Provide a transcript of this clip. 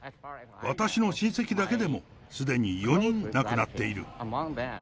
私の親戚だけでもすでに４人亡くなっている。